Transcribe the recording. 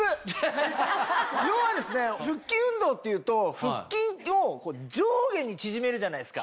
腹筋運動っていうと腹筋を上下に縮めるじゃないですか。